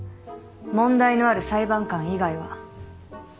問題のある裁判官以外は。